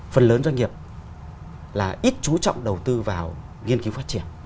phần lớn doanh nghiệp là ít chú trọng đầu tư vào nghiên cứu phát triển